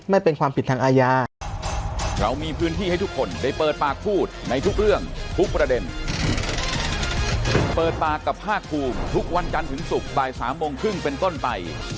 ไม่เป็นความผิดทางอาญา